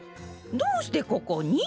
どうしてここに？